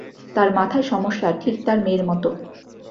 তার মাথায় সমস্যা, ঠিক তার মেয়ের মতো।